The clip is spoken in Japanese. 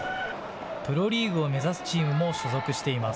プロリーグを目指すチームも所属しています。